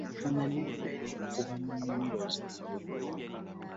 Bafuna n'emmere okuva mu nnimiro zaabwe.